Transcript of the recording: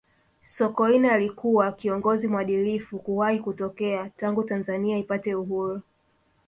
sokoine alikuwa kiongozi mwadilifu kuwahi kutokea tangu tanzania ipate uhuru